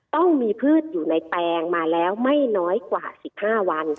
ต้องมีพืชอยู่ในแปลงมาแล้วไม่น้อยกว่า๑๕วัน